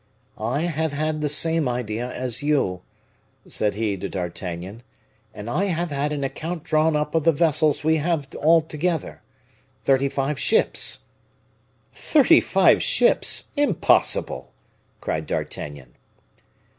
"I have had the same idea as you," said he to D'Artagnan, "and I have had an account drawn up of the vessels we have altogether thirty five ships." "Thirty five ships! impossible!" cried D'Artagnan.